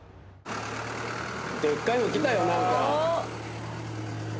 でっかいのきたよなんか。